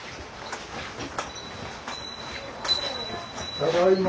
ただいま。